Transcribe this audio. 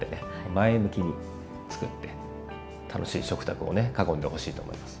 前向きにつくって楽しい食卓をね囲んでほしいと思います。